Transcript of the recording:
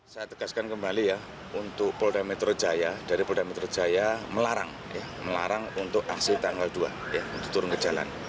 saya tegaskan kembali ya untuk polda metro jaya dari polda metro jaya melarang melarang untuk aksi tanggal dua untuk turun ke jalan